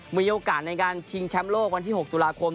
มีโอกาสในการชิงแชมป์โลกวันที่๖ตุลาคม